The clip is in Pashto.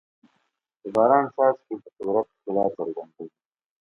د باران څاڅکي د قدرت ښکلا څرګندوي.